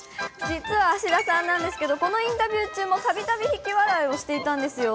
実は芦田さんなんですけれども、このインタビュー中もたびたび引き笑いをしていたんですよ。